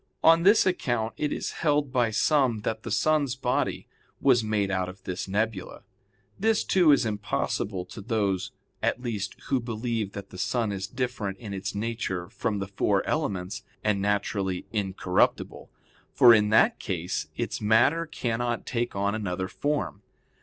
On this account it is held by some that the sun's body was made out of this nebula. This, too, is impossible to those at least who believe that the sun is different in its nature from the four elements, and naturally incorruptible. For in that case its matter cannot take on another form.